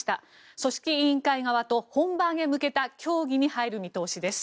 組織委員会側と本番へ向けた協議に入る見通しです。